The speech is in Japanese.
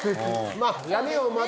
まあ。